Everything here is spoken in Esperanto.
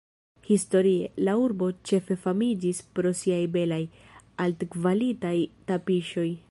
Historie, la urbo ĉefe famiĝis pro siaj belaj, altkvalitaj tapiŝoj.